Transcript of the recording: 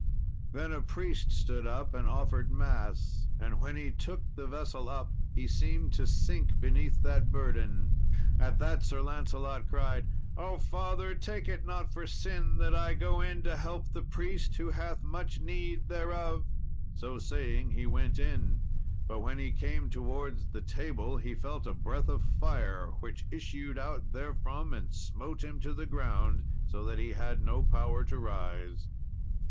Then a priest stood up and offered mass, and when he took the vessel up, he seemed to sink beneath that burden. At that Sir Lancelot cried, "O Father, take it not for sin that I go in to help the priest, who hath much need thereof." So saying, he went in, but when he came towards the table he felt a breath of fire which issued out therefrom and smote him to the ground, so that he had no power to rise.